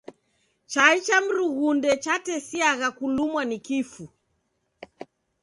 Chai cha mrunghundia chatesiagha kulumwa ni kifu.